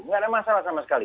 nggak ada masalah sama sekali